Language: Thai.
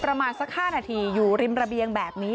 ประมาณสัก๕นาทีอยู่ริมระเบียงแบบนี้